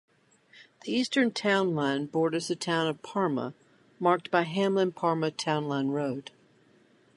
The eastern town line borders the town of Parma, marked by Hamlin-Parma Townline Road.